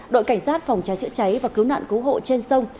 đội cảnh sát phòng cháy chữa cháy và cứu nạn cứu hộ trên sông